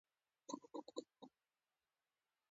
په افغانستان کې کابل ډېر اهمیت لري.